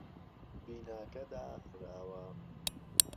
بیناکە داخراوە.